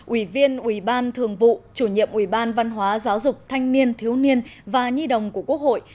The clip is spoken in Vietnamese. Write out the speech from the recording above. ủy viên ủy ban thường vụ chủ nhiệm ủy ban văn hóa giáo dục thanh niên thiếu niên và nhi đồng của quốc hội